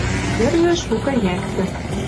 Йӹржӹ шукы йӓктӹ